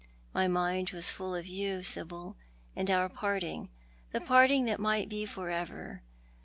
My mind was full of you, Sibyl, and our parting — the parting that might be for ever.